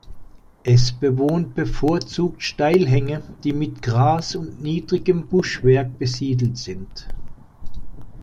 Es bewohnt bevorzugt Steilhänge, die mit Gras und niedrigem Buschwerk besiedelt sind.